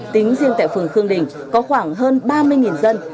tính riêng tại phường khương đình có khoảng hơn ba mươi dân